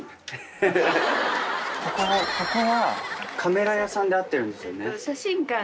ここはカメラ屋さんで合ってるんですよね？